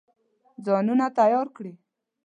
ځانونه تیار کړي.